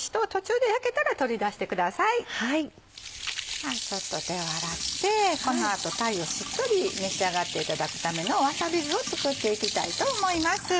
じゃあ手を洗ってこの後鯛をしっとり召し上がっていただくためのわさび酢を作っていきたいと思います。